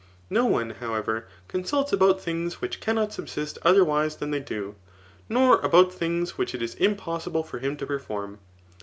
No one, however, consults about things which cannot subsist otherwise than they do, nor about things which it is impossible for him to perform.